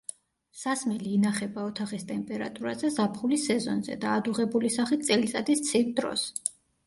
სასმელი ინახება ოთახის ტემპერატურაზე ზაფხულის სეზონზე და ადუღებული სახით წელიწადის ცივ დროს.